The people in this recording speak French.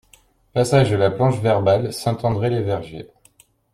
Passage La Planche Verbale, Saint-André-les-Vergers